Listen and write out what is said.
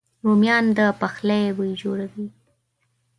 رومیان د پخلي بوی جوړوي